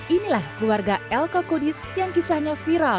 inilah keluarga elko kudis yang kisahnya viral